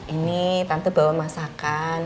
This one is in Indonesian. ini tante bawa masakan